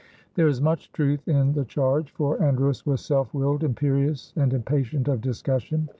There is much truth in the charge, for Andros was self willed, imperious, and impatient of discussion.